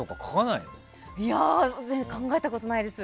いやあ、考えたことないです。